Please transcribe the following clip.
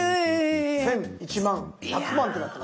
１０００１万１００万ってなってますけど。